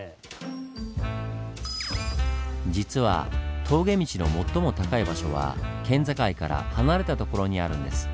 実は峠道の最も高い場所は県境から離れた所にあるんです。